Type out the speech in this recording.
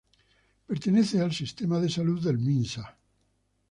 Pertenece al sistema de salud del Minsa.